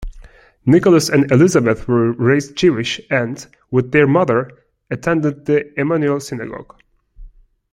Nicolas and Elisabeth were raised Jewish and, with their mother, attended the Emanuel Synagogue.